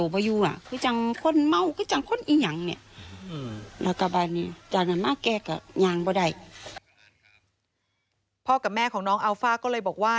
พ่อกับแม่ของน้องอัลฟ่าก็เลยบอกว่า